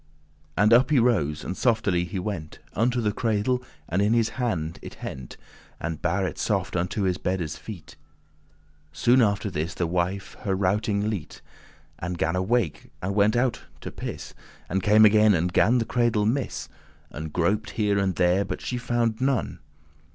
And up he rose, and softely he went Unto the cradle, and in his hand it hent*, *took And bare it soft unto his beddes feet. Soon after this the wife *her routing lete*, *stopped snoring* And gan awake, and went her out to piss And came again and gan the cradle miss And groped here and there, but she found none.